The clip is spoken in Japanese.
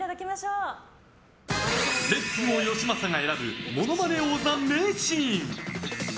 レッツゴーよしまさが選ぶ「ものまね王座」名シーン。